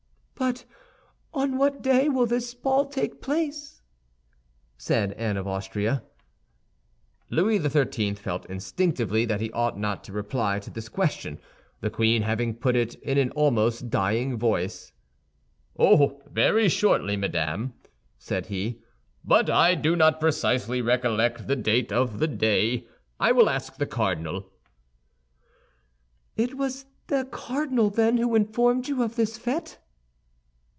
"But on what day will this ball take place?" asked Anne of Austria. Louis XIII. felt instinctively that he ought not to reply to this question, the queen having put it in an almost dying voice. "Oh, very shortly, madame," said he; "but I do not precisely recollect the date of the day. I will ask the cardinal." "It was the cardinal, then, who informed you of this fête?"